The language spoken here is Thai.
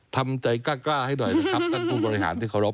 ทำใจกล้าให้หน่อยนะครับท่านผู้บริหารที่เคารพ